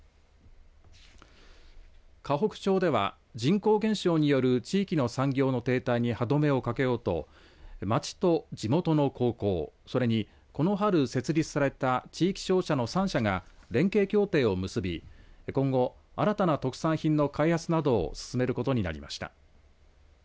河北町では人口減少による地域の産業の停滞に歯止めをかけようと町と地元の高校それに、この春設立された地域商社の３者が連携協定を結び今後、新たな特産品の開発などを進めることになりました。